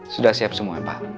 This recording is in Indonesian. sudah siap semua pak